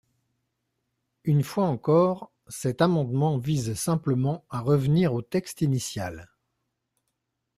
Une fois encore, cet amendement vise simplement à revenir au texte initial.